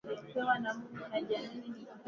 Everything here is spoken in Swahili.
Sasa ni saa sita na nusu.